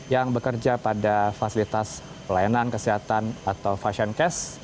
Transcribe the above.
yang bekerja pada fasilitas pelayanan kesehatan atau fashion cash